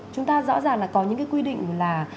chúng ta rõ ràng là có những cái quy định là